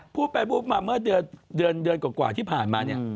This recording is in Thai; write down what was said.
พูดไปพูดมาเมื่อเดือนกว่าที่ผ่านมาเนี่ย